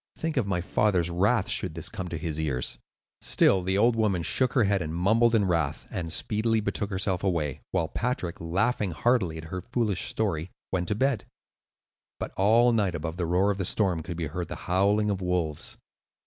Think of my father's wrath, should this come to his ears." Still the old woman shook her head and mumbled in wrath, and speedily betook herself away; while Patrick, laughing heartily at her foolish story, went to bed. But all night above the roar of the storm could be heard the howling of wolves.